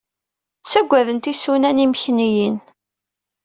Ttagadent isunan imekniyen.